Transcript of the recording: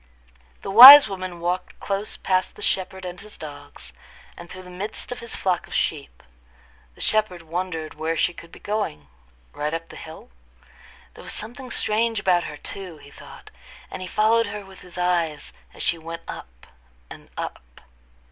The wise woman walked close past the shepherd and his dogs, and through the midst of his flock of sheep. The shepherd wondered where she could be going—right up the hill. There was something strange about her too, he thought; and he followed her with his eyes as she went up and up.